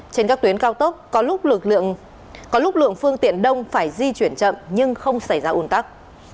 trên các tuyến cao tốc có lúc lượng phương tiện đông phải di chuyển chậm nhưng không xảy ra ồn tắc